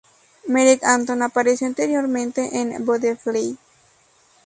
Marek Anton apareció anteriormente en "Battlefield".